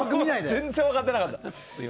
全然分かってなかった。